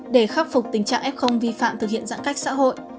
để khắc phục tình trạng f không vi phạm thực hiện giãn cách xã hội